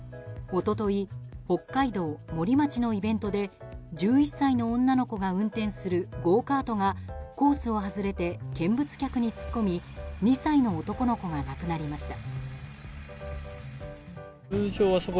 一昨日北海道森町のイベントで１１歳の女の子が運転するゴーカートがコースを外れて見物客に突っ込み２歳の男の子が亡くなりました。